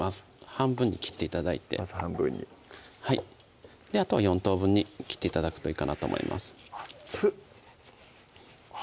半分に切って頂いてまず半分にはいあとは４等分に切って頂くといいかなと思いますあっつ！